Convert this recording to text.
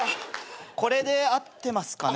これで合ってますかね？